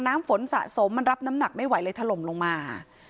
น้ำฝนสะสมมันรับน้ำหนักไม่ไหวเลยถล่มลงมา